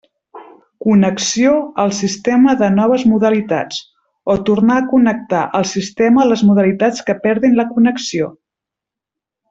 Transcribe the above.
Connexió al sistema de noves modalitats, o tornar a connectar al sistema les modalitats que perdin la connexió.